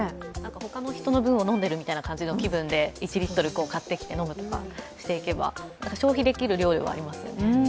他の人の分を飲んでるような気分で１リットル買ってきて飲むとかしていけば消費できる量ではありますよね。